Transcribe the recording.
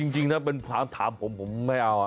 จริงนะเป็นพรามถามผมผมไม่เอา